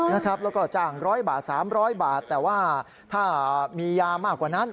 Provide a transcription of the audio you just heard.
แล้วก็จ้าง๑๐๐บาท๓๐๐บาทแต่ว่าถ้ามียามากกว่านั้น